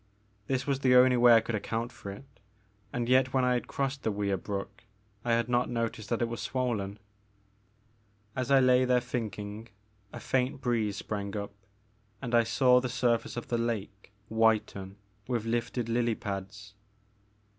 This was the only way I could account for it, and yet when I had crossed the Wier Brook I had not noticed that it was swonGn. And as I lay there thinking, a faint breeze The Maker of Moons. 69 sprang up and I saw the surface of the lake whiten with lifted lily pads.